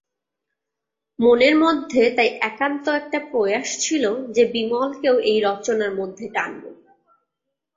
মনের মধ্যে তাই একান্ত একটা প্রয়াস ছিল যে বিমলকেও এই রচনার মধ্যে টানব।